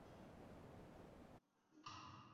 کیچک جو ویراٹ کا سپاہ سالار ہوتا ہے